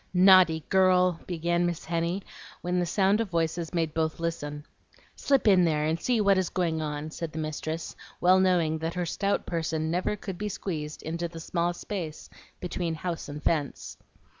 "Naughty girl!" began Miss Henny, when the sound of voices made both listen. "Slip in there, and see what is going on," said the mistress, well knowing that her stout person never could be squeezed into the small space between house and fence.